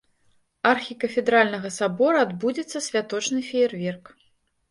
Архікафедральнага сабора адбудзецца святочны феерверк.